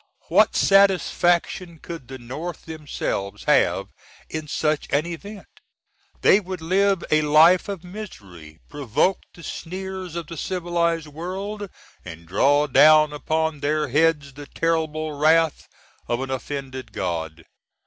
_ What Satisfac^n could the North themselves have in such an event? They would live a life of misery; provoke the sneers of the civilized world; and draw down upon their heads the terrible wrath of an offended God.